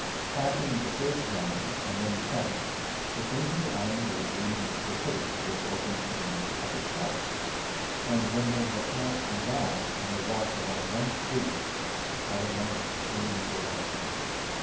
Passing the first Guard, and 10 then the second, they came to the iron gate leading into the city, which opened to them of itself; and, when they had passed through that, and had walked along one street, all at once the angel left him.